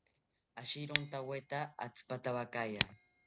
Ashirontaweta atzipatawakaya